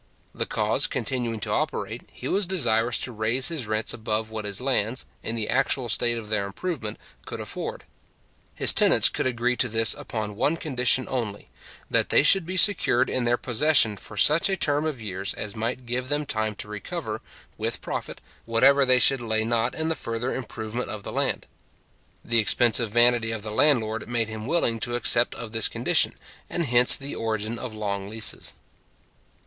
The cause continuing to operate, he was desirous to raise his rents above what his lands, in the actual state of their improvement, could afford. His tenants could agree to this upon one condition only, that they should be secured in their possession for such a term of years as might give them time to recover, with profit, whatever they should lay not in the further improvement of the land. The expensive vanity of the landlord made him willing to accept of this condition; and hence the origin of long leases.